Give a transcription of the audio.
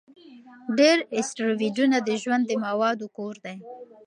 ډېر اسټروېډونه د ژوند د موادو کور دي.